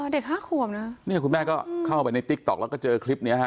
เด็กห้าขวบนะเนี่ยคุณแม่ก็เข้าไปในติ๊กต๊อกแล้วก็เจอคลิปเนี้ยฮะ